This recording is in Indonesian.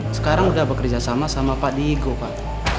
sekarang sudah bekerja sama sama pak diego pak